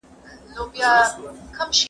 پخوانیو انسانانو د باران تعبیرونه کول.